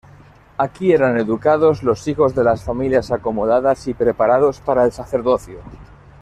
Aquí eran educados los hijos de las familias acomodadas y preparados para el sacerdocio.